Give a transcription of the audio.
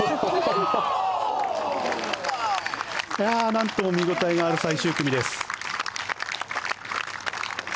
なんとも見応えのある最終組です。